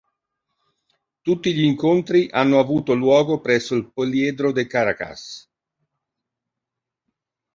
Tutti gli incontri hanno avuto luogo presso il Poliedro de Caracas.